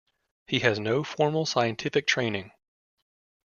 He has no formal scientific training.